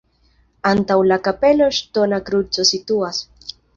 Antaŭ la kapelo ŝtona kruco situas.